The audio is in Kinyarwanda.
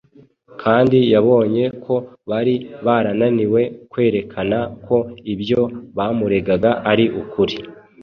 kandi yabonye ko bari barananiwe kwerekana ko ibyo bamurega ari ukuri.